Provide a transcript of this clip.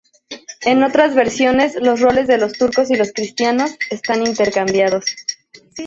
En otras versiones los roles de los turcos y los cristianos están intercambiados.